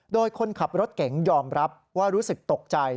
โดยคนขับรถเก๋งยอมรับว่ารู้สึกตกใจ